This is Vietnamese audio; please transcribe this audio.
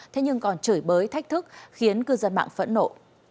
thế nhưng còn chửi bới thách thức khiến cư dân mạng phẫn nộ